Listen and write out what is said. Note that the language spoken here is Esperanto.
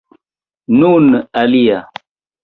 Nun alia!